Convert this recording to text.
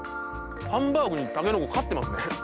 ハンバーグにタケノコ勝ってますね。